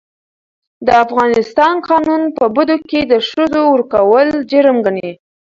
د افغانستان قانون په بدو کي د ښځو ورکول جرم ګڼي.